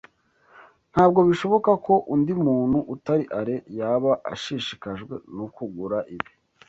Ntabwo bishoboka ko undi muntu utari Alain yaba ashishikajwe no kugura ibi.